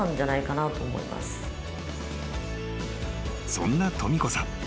［そんなとみ子さん。